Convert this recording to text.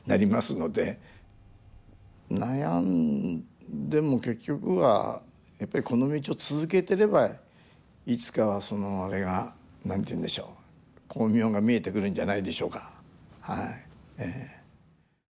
悩んでも結局はやっぱりこの道を続けてればいつかはそのあれが何て言うんでしょう光明が見えてくるんじゃないでしょうかはいええ。